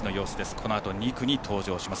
このあと２区に登場します。